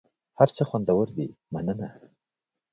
هر څه خوندور دي مننه .